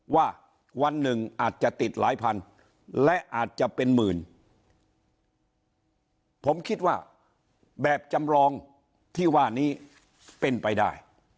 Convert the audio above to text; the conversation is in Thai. ว่าวันหนึ่งอาจจะติดหลายพันและอาจจะเป็นหมื่นผมคิดว่าแบบจำลองที่ว่านี้เป็นไปได้